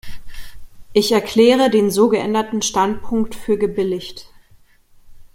Ich erkläre den so geänderten Standpunkt für gebilligt.